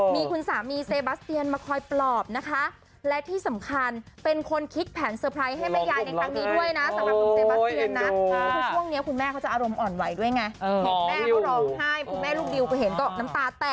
มีคุณสามีเซบาสเตียนมาคอยปลอบนะคะ